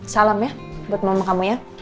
salam ya buat mama kamu ya